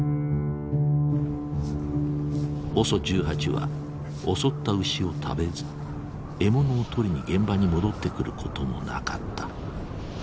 ＯＳＯ１８は襲った牛を食べず獲物を取りに現場に戻ってくることもなかった。